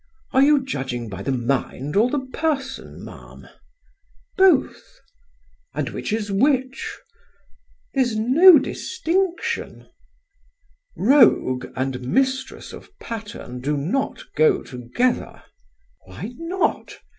"Are you judging by the mind or the person, ma'am?" "Both." "And which is which?" "There's no distinction." "Rogue and mistress of Patterne do not go together." "Why not?